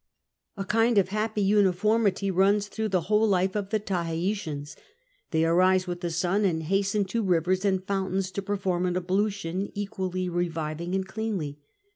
A kind of happy uniformity inns through the whole life of the Taheitians. They rise with the suit, and hsisteii to rivers and fountains to perform an ablutio'i equally reviving and cleanly.